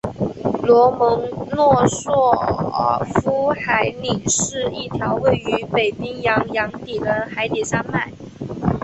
罗蒙诺索夫海岭是一条位于北冰洋洋底的海底山脉。